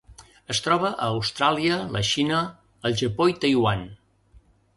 Es troba a Austràlia, la Xina, el Japó i Taiwan.